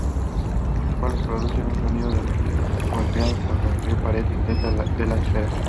Los cuales producen sonido al golpearlos contra la pared interna de la esfera.